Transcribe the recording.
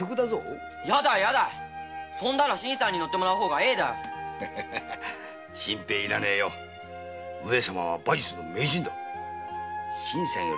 やだやだそんなら新さんに乗ってもらう方がええだよ心配要らねえ上様は馬術の名人だ新さんよりうめえらしいぞ。